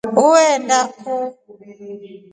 Uenda kuu?